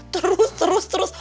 terus terus terus